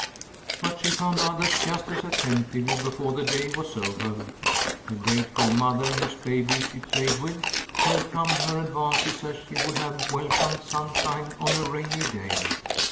But she found others just as attentive before the day was over. The grateful mother whose baby she played with, welcomed her advances as she would have welcomed sunshine on a rainy day.